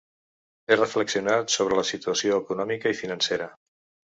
He reflexionat sobre la situació econòmica i financera.